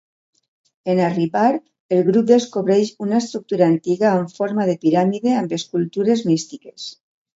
En arribar, el grup descobreix una estructura antiga amb forma de piràmide amb escultures místiques.